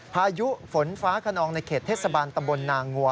พายุฝนฟ้าขนองในเขตเทศบาลตำบลนางัว